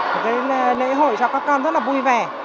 một cái lễ hội cho các con rất là vui vẻ